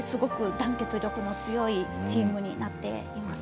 団結力の強いチームになっています。